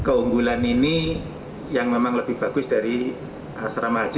keunggulan ini yang memang lebih bagus dari asrama haji